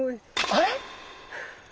あれ？